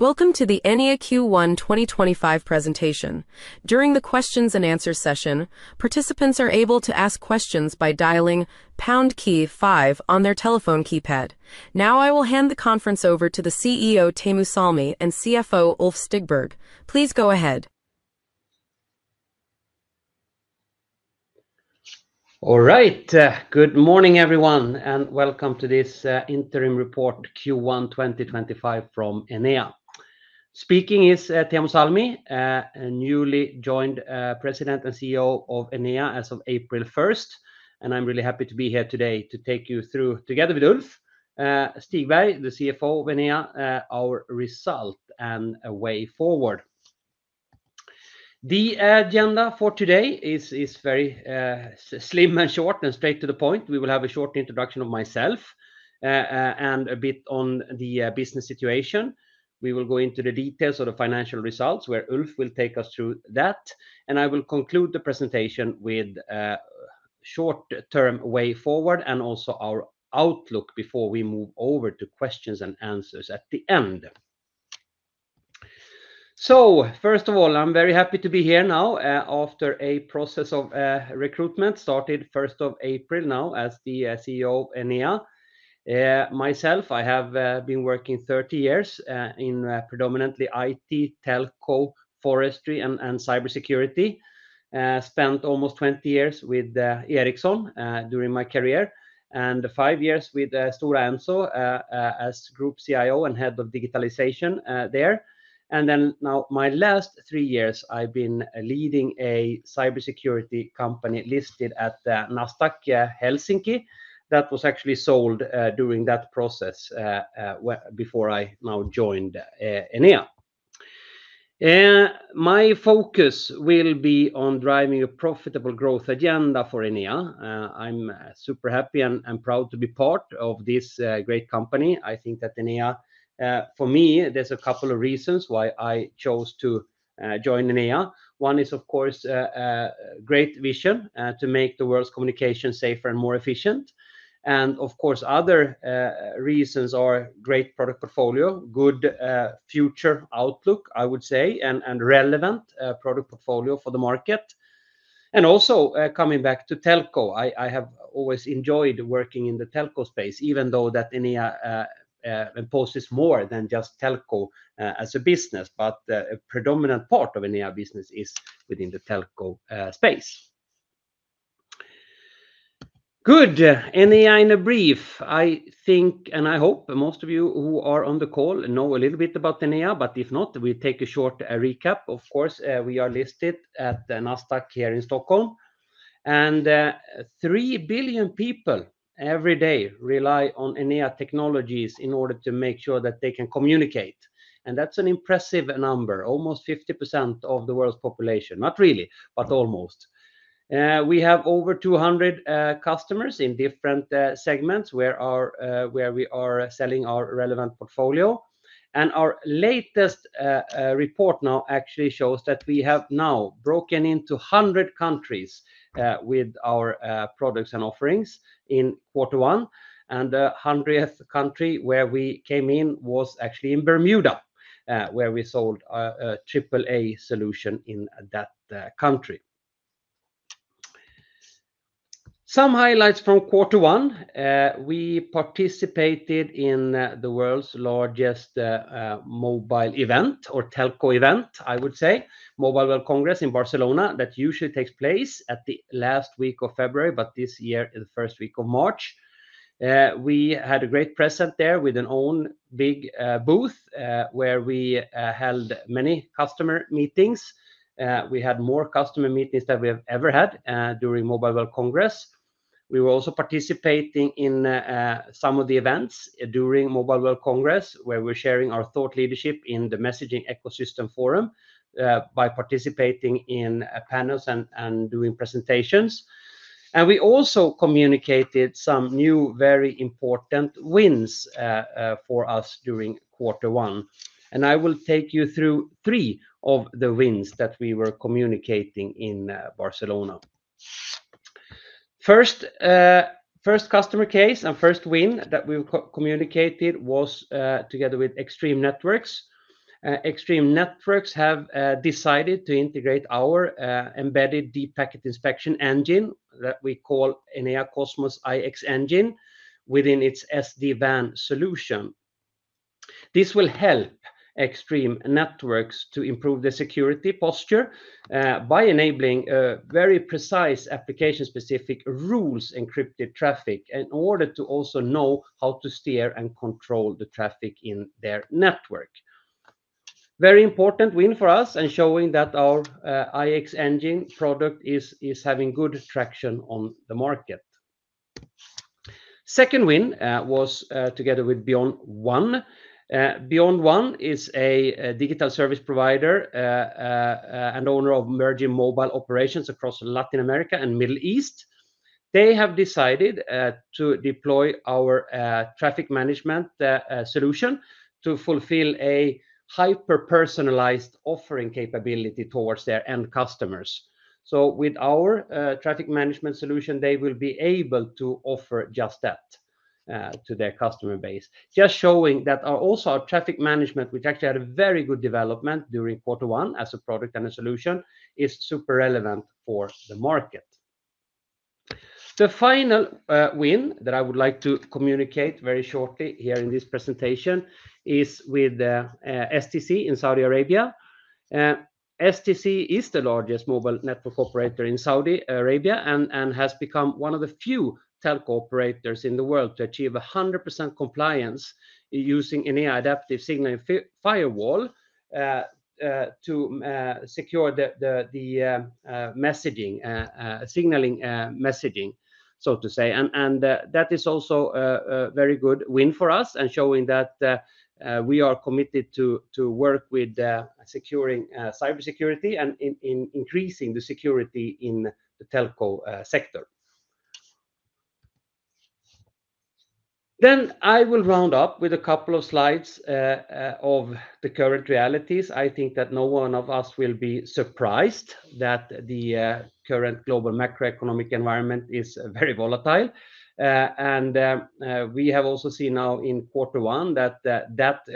Welcome to the Enea Q1 2025 presentation. During the Q&A session, participants are able to ask questions by dialing #5 on their telephone keypad. Now, I will hand the conference over to the CEO, Teemu Salmi, and CFO, Ulf Stigberg. Please go ahead. Alright, good morning everyone, and welcome to this interim report, Q1 2025, from Enea. Speaking is Teemu Salmi, a newly joined President and CEO of Enea as of April 1, and I'm really happy to be here today to take you through, together with Ulf Stigberg, the CFO of Enea, our result and a way forward. The agenda for today is very slim and short and straight to the point. We will have a short introduction of myself and a bit on the business situation. We will go into the details of the financial results, where Ulf will take us through that, and I will conclude the presentation with a short-term way forward and also our outlook before we move over to Q&A at the end. First of all, I'm very happy to be here now after a process of recruitment started 1st of April now as the CEO of Enea. Myself, I have been working 30 years in predominantly IT, telco, forestry, and cybersecurity. I spent almost 20 years with Ericsson during my career and five years with Stora Enso as Group CIO and Head of Digitalization there. My last three years, I've been leading a cybersecurity company listed at Nasdaq Helsinki that was actually sold during that process before I now joined Enea. My focus will be on driving a profitable growth agenda for Enea. I'm super happy and proud to be part of this great company. I think that Enea, for me, there's a couple of reasons why I chose to join Enea. One is, of course, a great vision to make the world's communication safer and more efficient. Of course, other reasons are a great product portfolio, good future outlook, I would say, and a relevant product portfolio for the market. Also, coming back to telco, I have always enjoyed working in the telco space, even though Enea poses more than just telco as a business, but a predominant part of Enea's business is within the telco space. Good. Enea in a brief, I think, and I hope most of you who are on the call know a little bit about Enea, but if not, we take a short recap. Of course, we are listed at Nasdaq here in Stockholm, and 3 billion people every day rely on Enea technologies in order to make sure that they can communicate. That's an impressive number, almost 50% of the world's population. Not really, but almost. We have over 200 customers in different segments where we are selling our relevant portfolio. Our latest report now actually shows that we have now broken into 100 countries with our products and offerings in Q1. The 100th country where we came in was actually in Bermuda, where we sold a Triple-A Solution in that country. Some highlights from Q1: we participated in the world's largest mobile event, or telco event, I would say, Mobile World Congress in Barcelona that usually takes place at the last week of February, but this year the first week of March. We had a great presence there with our own big booth where we held many customer meetings. We had more customer meetings than we have ever had during Mobile World Congress. We were also participating in some of the events during Mobile World Congress where we're sharing our thought leadership in the Messaging Ecosystem Forum by participating in panels and doing presentations. We also communicated some new, very important wins for us during Q1. I will take you through three of the wins that we were communicating in Barcelona. First customer case and first win that we communicated was together with Extreme Networks. Extreme Networks have decided to integrate our embedded deep packet inspection engine that we call Enea Cosmos IX Engine within its SD-WAN solution. This will help Extreme Networks to improve the security posture by enabling very precise application-specific rules-encrypted traffic in order to also know how to steer and control the traffic in their network. Very important win for us and showing that our IX Engine product is having good traction on the market. Second win was together with BeyondOne. BeyondOne is a digital service provider and owner of emerging mobile operations across Latin America and the Middle East. They have decided to deploy our Traffic Management Solution to fulfill a hyper-personalized offering capability towards their end customers. With our Traffic Management Solution, they will be able to offer just that to their customer base, just showing that also our traffic management, which actually had a very good development during Q1 as a product and a solution, is super relevant for the market. The final win that I would like to communicate very shortly here in this presentation is with STC in Saudi Arabia. STC is the largest mobile network operator in Saudi Arabia and has become one of the few telco operators in the world to achieve 100% compliance using an Enea Adaptive Signaling Firewall to secure the messaging, signaling messaging, so to say. That is also a very good win for us and showing that we are committed to work with securing cybersecurity and increasing the security in the telco sector. I will round up with a couple of slides of the current realities. I think that no one of us will be surprised that the current global macroeconomic environment is very volatile. We have also seen now in Q1 that that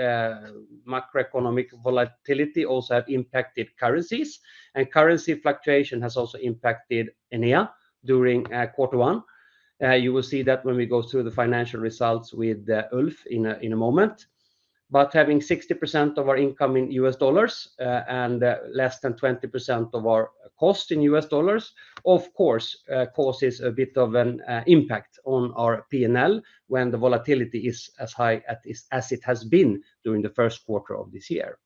macroeconomic volatility also has impacted currencies, and currency fluctuation has also impacted Enea during Q1. You will see that when we go through the financial results with Ulf in a moment. Having 60% of our income in US dollars and less than 20% of our cost in US dollars, of course, causes a bit of an impact on our P&L when the volatility is as high as it has been during the first quarter of this year.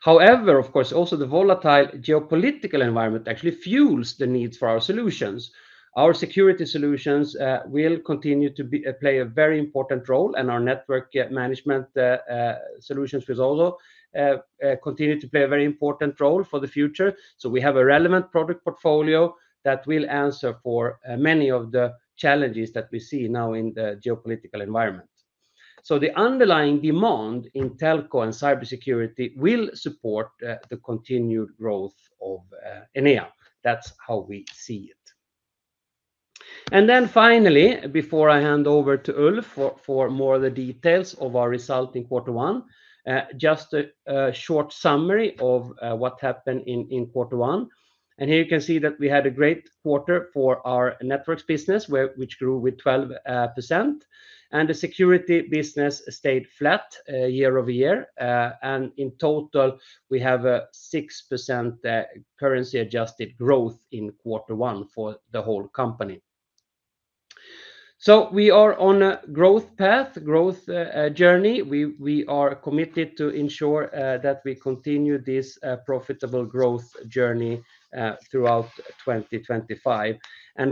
However, of course, also the volatile geopolitical environment actually fuels the needs for our solutions. Our security solutions will continue to play a very important role, and our network management solutions will also continue to play a very important role for the future. We have a relevant product portfolio that will answer for many of the challenges that we see now in the geopolitical environment. The underlying demand in telco and cybersecurity will support the continued growth of Enea. That's how we see it. Finally, before I hand over to Ulf for more of the details of our result in Q1, just a short summary of what happened in Q1. Here you can see that we had a great quarter for our networks business, which grew with 12%, and the security business stayed flat year over year. In total, we have a 6% currency-adjusted growth in Q1 for the whole company. We are on a growth path, growth journey. We are committed to ensure that we continue this profitable growth journey throughout 2025.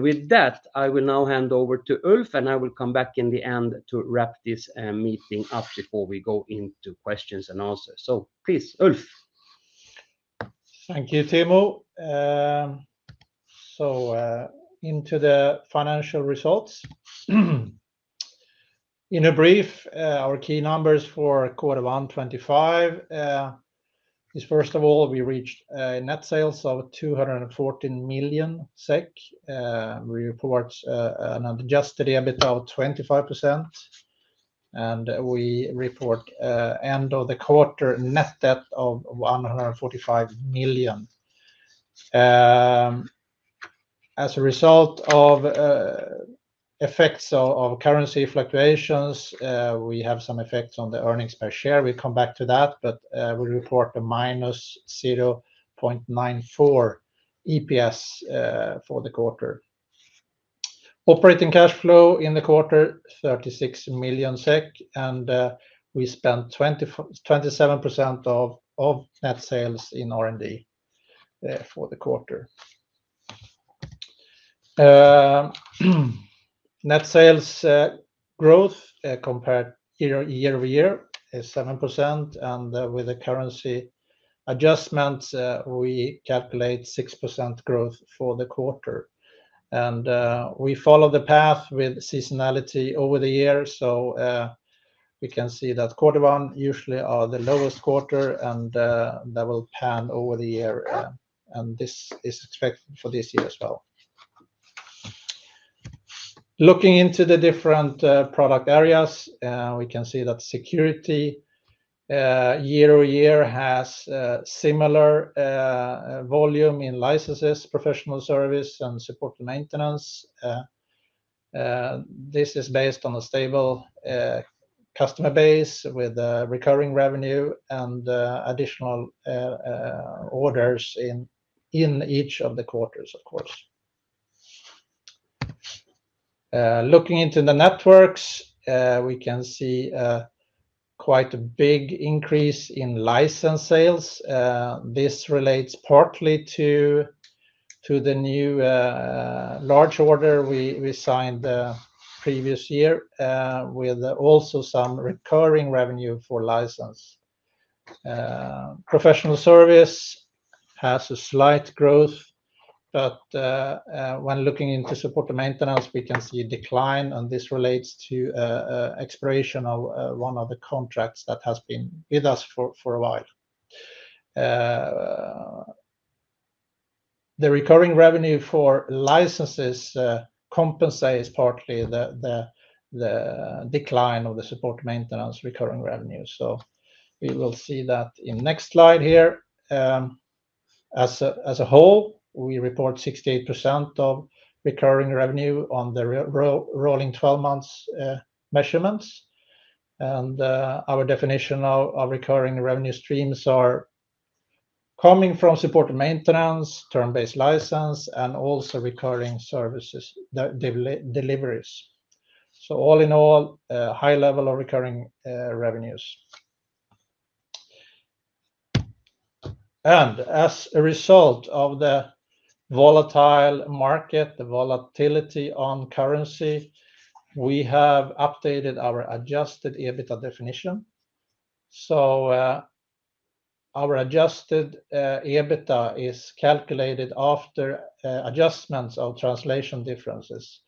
With that, I will now hand over to Ulf, and I will come back in the end to wrap this meeting up before we go into questions and answers. Please, Ulf. Thank you, Teemu. Into the financial results. In brief, our key numbers for Q1 2025 are, first of all, we reached net sales of 214 million SEK. We report an adjusted EBIT of 25%, and we report end of the quarter net debt of 145 million. As a result of effects of currency fluctuations, we have some effects on the earnings per share. We will come back to that, but we report a minus 0.94 EPS for the quarter. Operating cash flow in the quarter, 36 million SEK, and we spent 27% of net sales in R&D for the quarter. Net sales growth compared year over year is 7%, and with the currency adjustments, we calculate 6% growth for the quarter. We follow the path with seasonality over the year, so we can see that Q1 usually is the lowest quarter, and that will pan over the year, and this is expected for this year as well. Looking into the different product areas, we can see that security year over year has similar volume in licenses, professional service, and support maintenance. This is based on a stable customer base with recurring revenue and additional orders in each of the quarters, of course. Looking into the networks, we can see quite a big increase in license sales. This relates partly to the new large order we signed the previous year with also some recurring revenue for license. Professional service has a slight growth, but when looking into support maintenance, we can see a decline, and this relates to expiration of one of the contracts that has been with us for a while. The recurring revenue for licenses compensates partly the decline of the support maintenance recurring revenue. We will see that in the next slide here. As a whole, we report 68% of recurring revenue on the rolling 12-month measurements. Our definition of recurring revenue streams are coming from support maintenance, term-based license, and also recurring services deliveries. All in all, high level of recurring revenues. As a result of the volatile market, the volatility on currency, we have updated our adjusted EBITDA definition. Our adjusted EBITDA is calculated after adjustments of translation differences.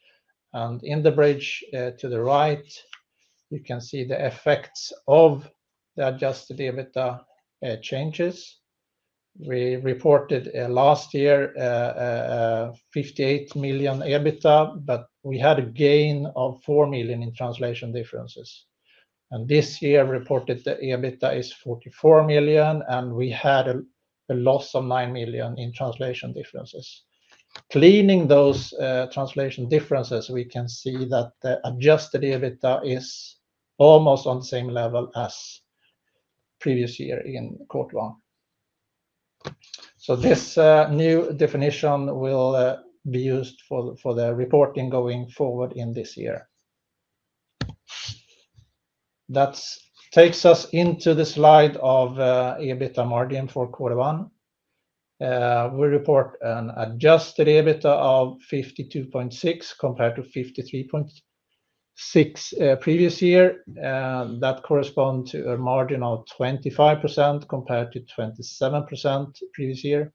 In the bridge to the right, you can see the effects of the adjusted EBITDA changes. We reported last year 58 million EBITDA, but we had a gain of 4 million in translation differences. This year reported the EBITDA is 44 million, and we had a loss of 9 million in translation differences. Cleaning those translation differences, we can see that the adjusted EBITDA is almost on the same level as previous year in Q1. This new definition will be used for the reporting going forward in this year. That takes us into the slide of EBITDA margin for Q1. We report an adjusted EBITDA of 52.6 million compared to 53.6 million previous year. That corresponds to a margin of 25% compared to 27% previous year.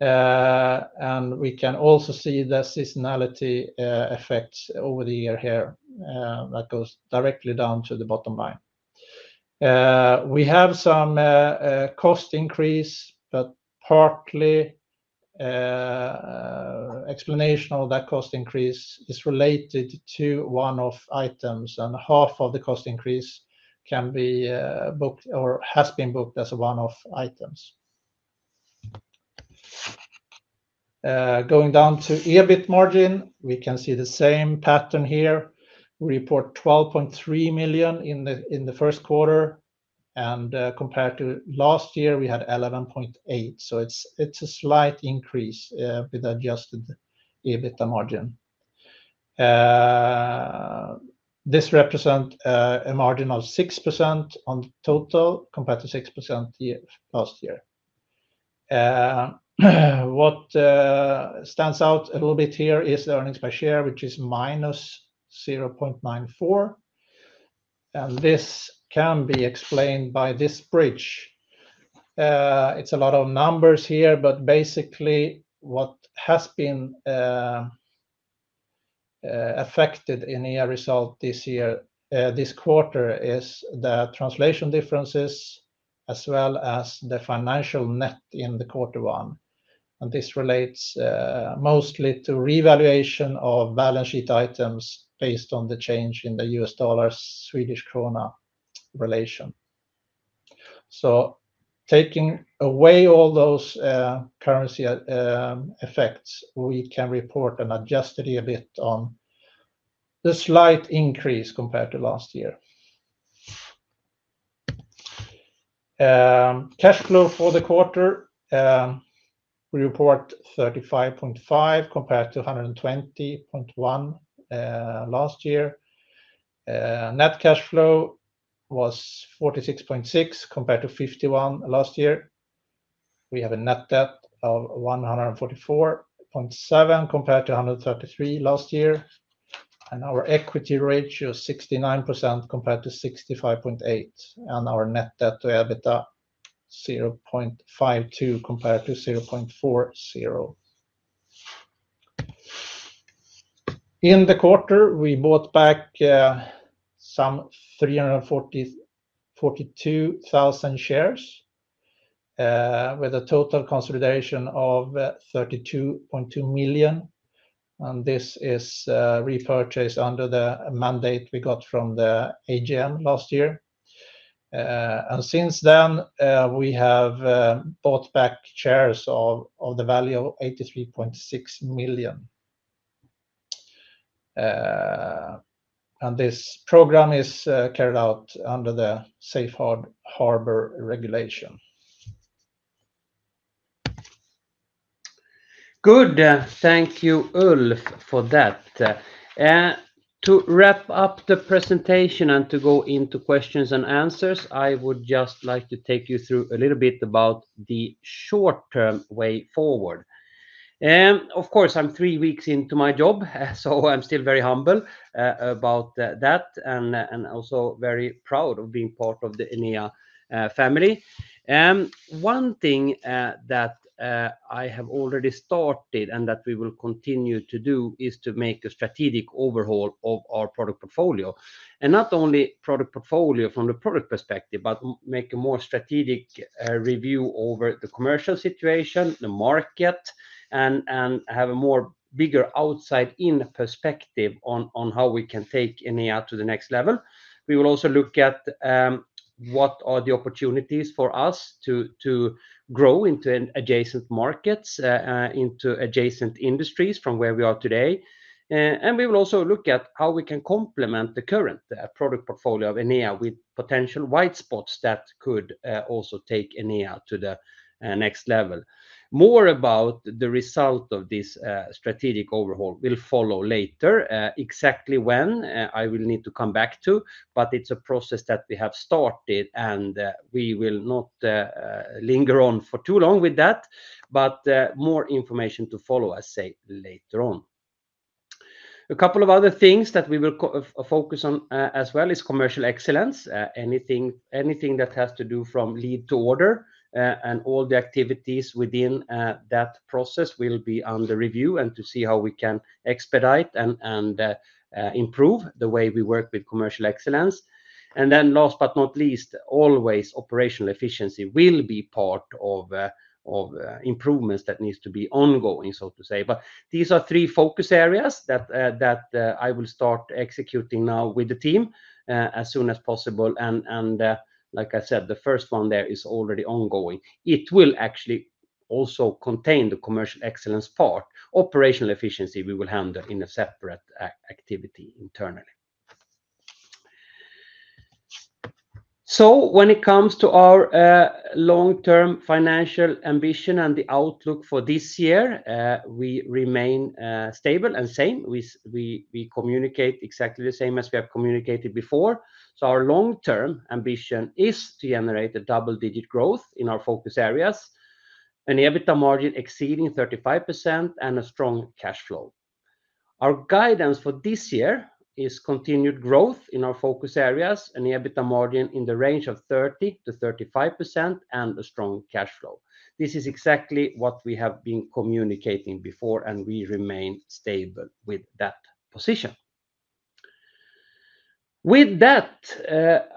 We can also see the seasonality effects over the year here that goes directly down to the bottom line. We have some cost increase, but partly explanation of that cost increase is related to one-off items, and half of the cost increase can be booked or has been booked as a one-off items. Going down to EBIT margin, we can see the same pattern here. We report 12.3 million in the first quarter, and compared to last year, we had 11.8 million. It is a slight increase with adjusted EBITDA margin. This represents a margin of 6% on total compared to 6% last year. What stands out a little bit here is the earnings per share, which is minus 0.94. This can be explained by this bridge. It is a lot of numbers here, but basically what has been affected in Enea result this year, this quarter, is the translation differences as well as the financial net in the Q1. This relates mostly to revaluation of balance sheet items based on the change in the US dollars-Swedish krona relation. Taking away all those currency effects, we can report an adjusted EBIT on the slight increase compared to last year. Cash flow for the quarter, we report 35.5 million compared to 120.1 million last year. Net cash flow was 46.6 million compared to 51 million last year. We have a net debt of 144.7 million compared to 133 million last year. Our equity ratio is 69% compared to 65.8%, and our net debt to EBIT is 0.52 compared to 0.40. In the quarter, we bought back some 342,000 shares with a total consolidation of 32.2 million. This is repurchased under the mandate we got from the AGM last year. Since then, we have bought back shares of the value of 83.6 million. This program is carried out under the Safe Harbor regulation. Good. Thank you, Ulf, for that. To wrap up the presentation and to go into questions and answers, I would just like to take you through a little bit about the short-term way forward. Of course, I'm three weeks into my job, so I'm still very humble about that and also very proud of being part of the Enea family. One thing that I have already started and that we will continue to do is to make a strategic overhaul of our product portfolio. Not only product portfolio from the product perspective, but make a more strategic review over the commercial situation, the market, and have a more bigger outside-in perspective on how we can take Enea to the next level. We will also look at what are the opportunities for us to grow into adjacent markets, into adjacent industries from where we are today. We will also look at how we can complement the current product portfolio of Enea with potential white spots that could also take Enea to the next level. More about the result of this strategic overhaul will follow later, exactly when I will need to come back to, but it is a process that we have started, and we will not linger on for too long with that, but more information to follow, I say, later on. A couple of other things that we will focus on as well is commercial excellence. Anything that has to do from lead to order and all the activities within that process will be under review and to see how we can expedite and improve the way we work with commercial excellence. Last but not least, always operational efficiency will be part of improvements that need to be ongoing, so to say. These are three focus areas that I will start executing now with the team as soon as possible. Like I said, the first one there is already ongoing. It will actually also contain the commercial excellence part. Operational efficiency we will handle in a separate activity internally. When it comes to our long-term financial ambition and the outlook for this year, we remain stable and same. We communicate exactly the same as we have communicated before. Our long-term ambition is to generate a double-digit growth in our focus areas, an EBITDA margin exceeding 35%, and a strong cash flow. Our guidance for this year is continued growth in our focus areas, an EBITDA margin in the range of 30%-35%, and a strong cash flow. This is exactly what we have been communicating before, and we remain stable with that position. With that,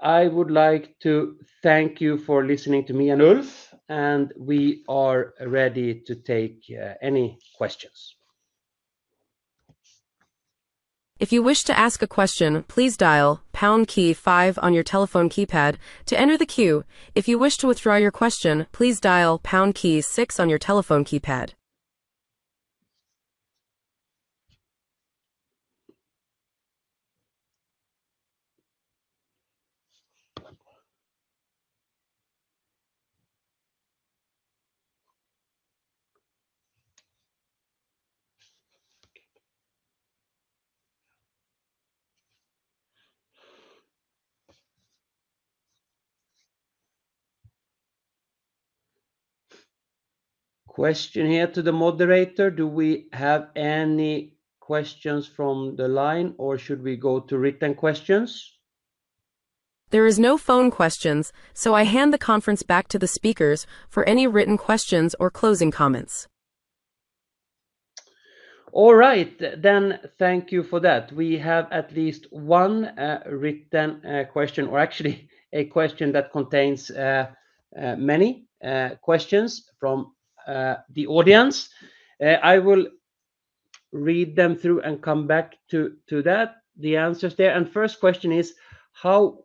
I would like to thank you for listening to me and Ulf, and we are ready to take any questions. If you wish to ask a question, please dial pound key five on your telephone keypad to enter the queue. If you wish to withdraw your question, please dial pound key six on your telephone keypad. Question here to the moderator. Do we have any questions from the line, or should we go to written questions? There is no phone questions, so I hand the conference back to the speakers for any written questions or closing comments. All right. Thank you for that. We have at least one written question, or actually a question that contains many questions from the audience. I will read them through and come back to the answers there. The first question is, how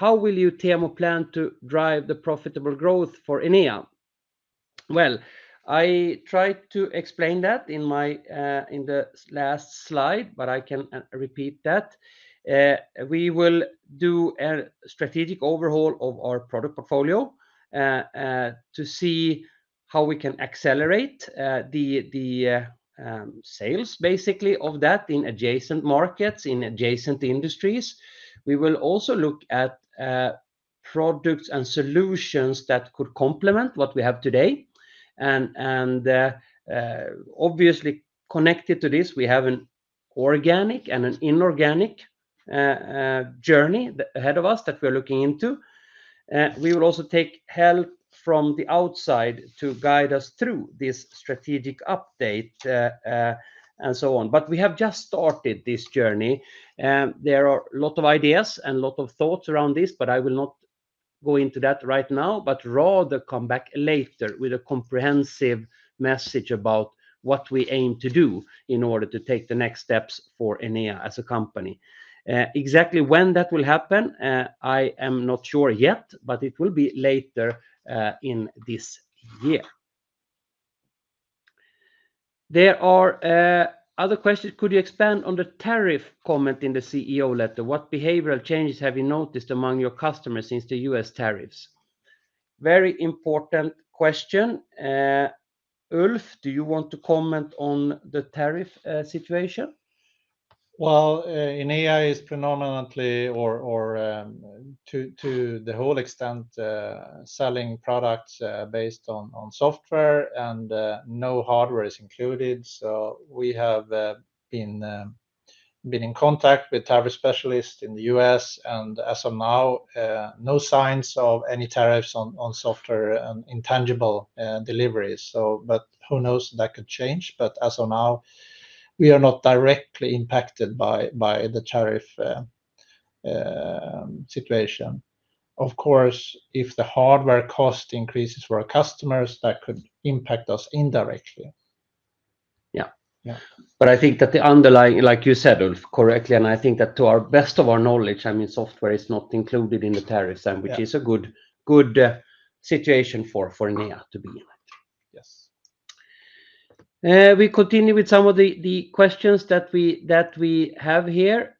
will you, Teemu, plan to drive the profitable growth for Enea? I tried to explain that in the last slide, but I can repeat that. We will do a strategic overhaul of our product portfolio to see how we can accelerate the sales, basically, of that in adjacent markets, in adjacent industries. We will also look at products and solutions that could complement what we have today. Obviously, connected to this, we have an organic and an inorganic journey ahead of us that we're looking into. We will also take help from the outside to guide us through this strategic update and so on. We have just started this journey. There are a lot of ideas and a lot of thoughts around this, but I will not go into that right now, but rather come back later with a comprehensive message about what we aim to do in order to take the next steps for Enea as a company. Exactly when that will happen, I am not sure yet, but it will be later in this year. There are other questions. Could you expand on the tariff comment in the CEO letter? What behavioral changes have you noticed among your customers since the US tariffs? Very important question. Ulf, do you want to comment on the tariff situation? Enea is predominantly, or to the whole extent, selling products based on software and no hardware is included. We have been in contact with tariff specialists in the U.S., and as of now, no signs of any tariffs on software and intangible deliveries. Who knows, that could change, but as of now, we are not directly impacted by the tariff situation. Of course, if the hardware cost increases for our customers, that could impact us indirectly. Yeah. I think that the underlying, like you said, Ulf, correctly, and I think that to our best of our knowledge, I mean, software is not included in the tariffs, which is a good situation for Enea to be in. Yes. We continue with some of the questions that we have here.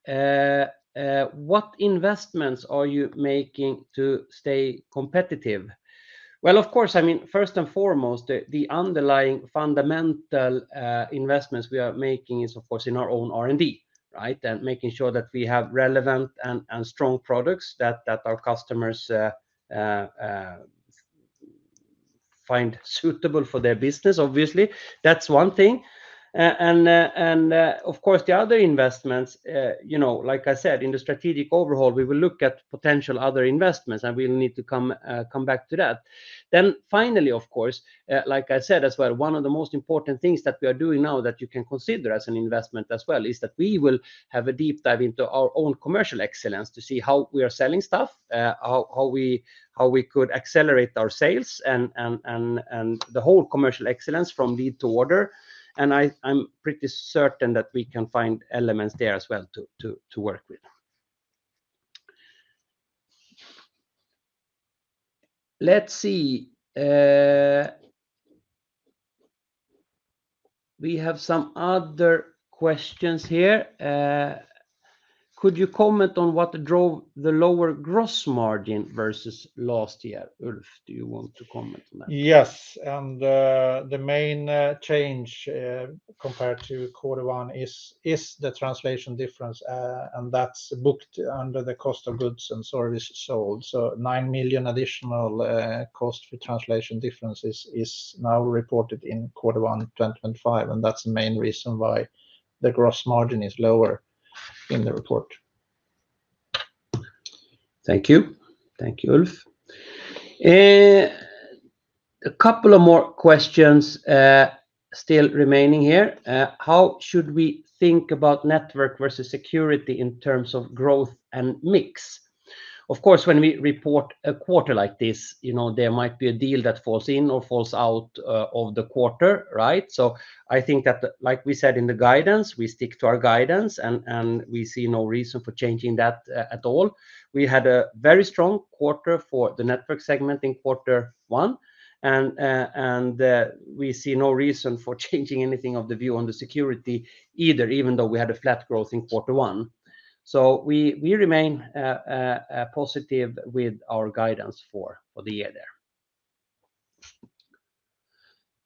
What investments are you making to stay competitive? Of course, I mean, first and foremost, the underlying fundamental investments we are making is, of course, in our own R&D, right, and making sure that we have relevant and strong products that our customers find suitable for their business, obviously. That is one thing. Of course, the other investments, like I said, in the strategic overhaul, we will look at potential other investments, and we will need to come back to that. Finally, of course, like I said as well, one of the most important things that we are doing now that you can consider as an investment as well is that we will have a deep dive into our own commercial excellence to see how we are selling stuff, how we could accelerate our sales, and the whole commercial excellence from lead to order. I'm pretty certain that we can find elements there as well to work with. Let's see. We have some other questions here. Could you comment on what drove the lower gross margin versus last year? Ulf, do you want to comment on that? Yes. The main change compared to quarter one is the translation difference, and that's booked under the cost of goods and service sold. 9 million additional cost for translation differences is now reported in quarter one 2025, and that's the main reason why the gross margin is lower in the report. Thank you. Thank you, Ulf. A couple of more questions still remaining here. How should we think about network versus security in terms of growth and mix? Of course, when we report a quarter like this, there might be a deal that falls in or falls out of the quarter, right? I think that, like we said in the guidance, we stick to our guidance, and we see no reason for changing that at all. We had a very strong quarter for the network segment in quarter one, and we see no reason for changing anything of the view on the security either, even though we had a flat growth in quarter one. We remain positive with our guidance for the year there.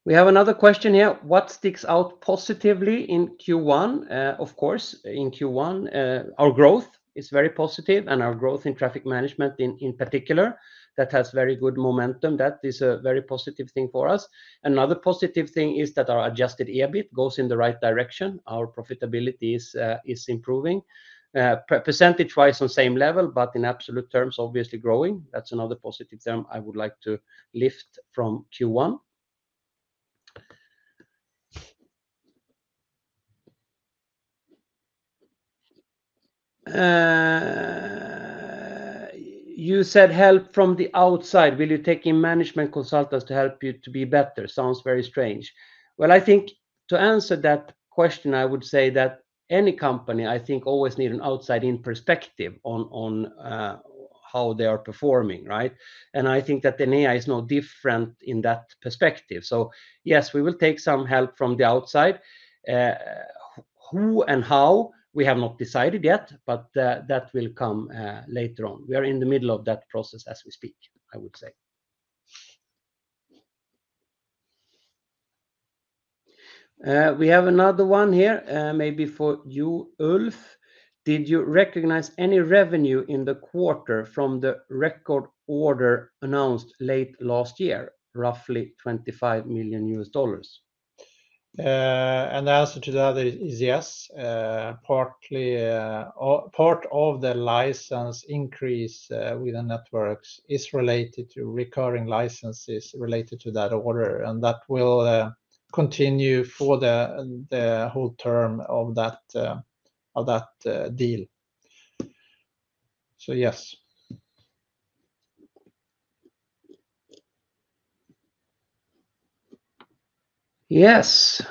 We have another question here. What sticks out positively in Q1? Of course, in Q1, our growth is very positive, and our growth in traffic management in particular, that has very good momentum. That is a very positive thing for us. Another positive thing is that our adjusted EBIT goes in the right direction. Our profitability is improving. Percentage-wise, on same level, but in absolute terms, obviously growing. That's another positive term I would like to lift from Q1. You said help from the outside. Will you take in management consultants to help you to be better? Sounds very strange. I think to answer that question, I would say that any company, I think, always needs an outside-in perspective on how they are performing, right? I think that Enea is no different in that perspective. Yes, we will take some help from the outside. Who and how, we have not decided yet, but that will come later on. We are in the middle of that process as we speak, I would say. We have another one here, maybe for you, Ulf. Did you recognize any revenue in the quarter from the record order announced late last year, roughly $25 million? The answer to that is yes. Part of the license increase with the networks is related to recurring licenses related to that order, and that will continue for the whole term of that deal. Yes. Yes.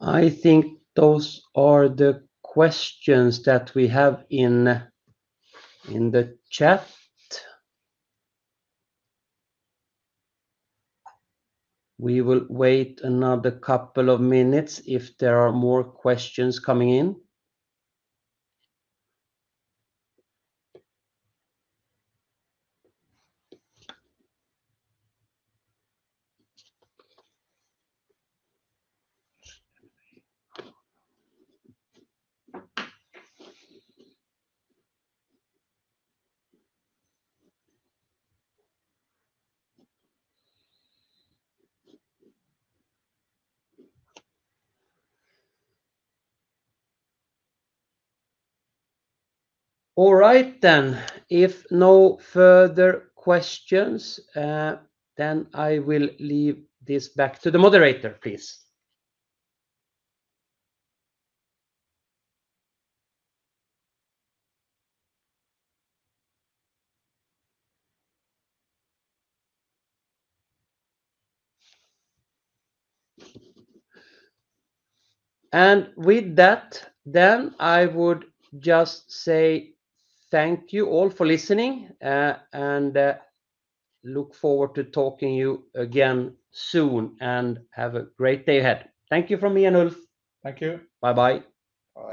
I think those are the questions that we have in the chat. We will wait another couple of minutes if there are more questions coming in. All right then. If no further questions, then I will leave this back to the moderator, please. With that, I would just say thank you all for listening and look forward to talking to you again soon and have a great day ahead. Thank you from me and Ulf. Thank you. Bye-bye.